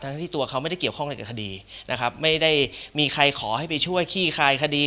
ทั้งที่ตัวเขาไม่ได้เกี่ยวข้องอะไรกับคดีนะครับไม่ได้มีใครขอให้ไปช่วยขี้คายคดี